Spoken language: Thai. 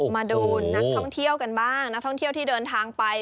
มาดูนักท่องเที่ยวกันบ้างนักท่องเที่ยวที่เดินทางไป